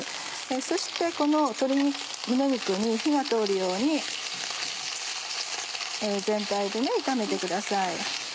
そしてこの鶏胸肉に火が通るように全体で炒めてください。